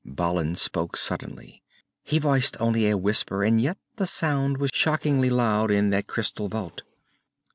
_" Balin spoke suddenly. He voiced only a whisper, and yet the sound was shockingly loud in that crystal vault.